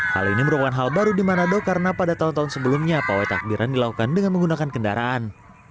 hal ini merupakan hal baru di manado karena pada tahun tahun sebelumnya pawai takbiran dilakukan dengan menggunakan kendaraan